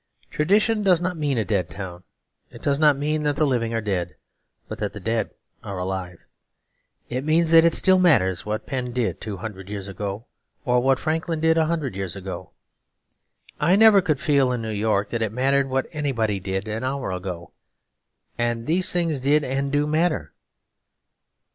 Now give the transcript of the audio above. Tradition does not mean a dead town; it does not mean that the living are dead but that the dead are alive. It means that it still matters what Penn did two hundred years ago or what Franklin did a hundred years ago; I never could feel in New York that it mattered what anybody did an hour ago. And these things did and do matter.